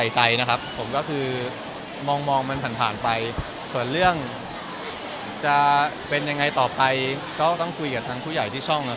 จะเป็นยังไงต่อไปก็ต้องคุยกับทั้งผู้ใหญ่ที่ช่อง